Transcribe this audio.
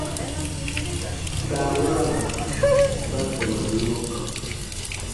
Saawaraba ba sɔmaa nɔɔ kã.